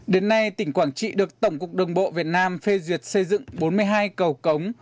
đến nay tỉnh quảng trị được tổng cục đường bộ việt nam phê duyệt xây dựng bốn mươi hai cầu cống